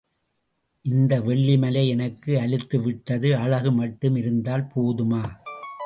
இந்த வெள்ளிமலை எனக்கு அலுத்துவிட்டது அழகு மட்டும் இருந்தால் போதுமா?